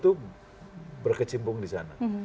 itu berkecimpung di sana